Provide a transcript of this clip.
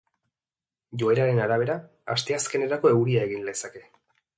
Joeraren arabera, asteazkenerako euria egin lezake.